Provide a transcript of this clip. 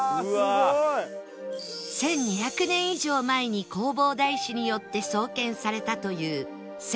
１２００年以上前に弘法大師によって創建されたという千光寺